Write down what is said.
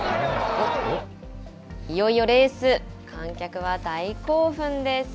いよいよレース、観客は大興奮です。